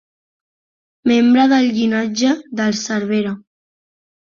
Membre del llinatge dels Cervera.